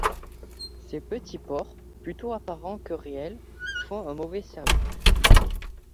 Ces petits ports, plutôt apparents que réels, font un mauvais service.